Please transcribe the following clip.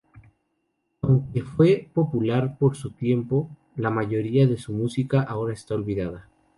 Aunque fue popular en su tiempo, la mayoría de su música está ahora olvidada.